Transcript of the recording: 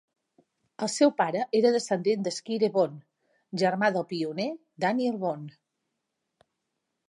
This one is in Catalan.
El seu pare era descendent de Squire Boone, germà del pioner Daniel Boone.